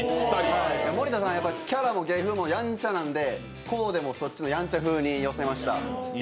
森田さんはキャラも芸風もやんちゃなのでコーデもやんちゃ風に寄せました。